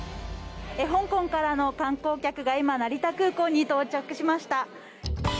香港からの観光客が今成田空港に到着しました。